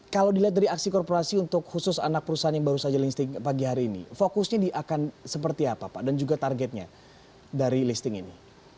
kalau dilihat dari aksi korporasi untuk khusus anak perusahaan yang baru saja linsting pagi hari ini fokusnya akan seperti apa pak dan juga targetnya dari listing ini